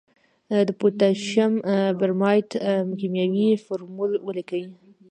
د پوتاشیم برماید کیمیاوي فورمول ولیکئ.